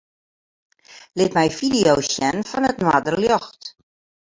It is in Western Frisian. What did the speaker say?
Lit my fideo's sjen fan it noarderljocht.